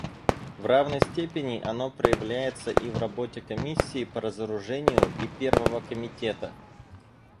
В равной степени оно проявляется и в работе Комиссии по разоружению и Первого комитета.